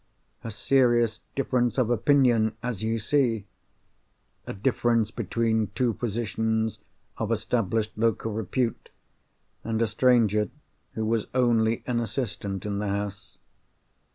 A serious difference of opinion, as you see! A difference between two physicians of established local repute, and a stranger who was only an assistant in the house.